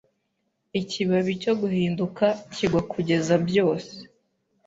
Ikibabi cyo guhinduka kigwa kugeza byose